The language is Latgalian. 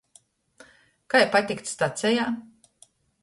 Kai patikt stacejā?